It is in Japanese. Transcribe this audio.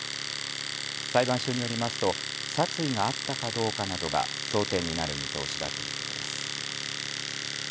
裁判所によりますと殺意があったかどうかなどが争点になる見通しだということです。